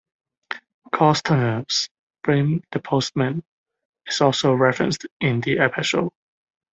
Costner's film "The Postman" is also referenced in the episode.